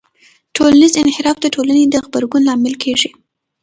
ټولنیز انحراف د ټولنې د غبرګون لامل کېږي.